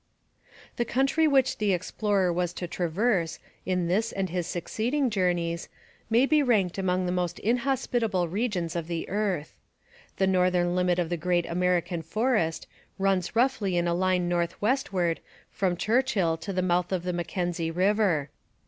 The country which the explorer was to traverse in this and his succeeding journeys may be ranked among the most inhospitable regions of the earth. The northern limit of the great American forest runs roughly in a line north westward from Churchill to the mouth of the Mackenzie river.